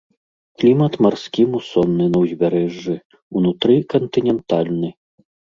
Клімат марскі мусонны на ўзбярэжжы, унутры кантынентальны.